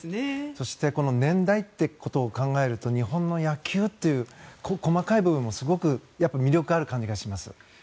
そして年代ってことを考えると日本の野球っていう細かい部分もすごく魅力がある感じがします。